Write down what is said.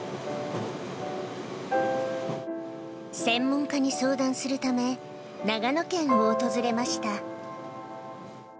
専門家に相談するため、長野県を訪れました。